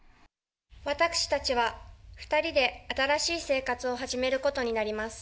私たちは２人で新しい生活を始めることになります。